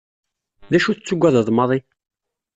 D acu tettagadeḍ maḍi?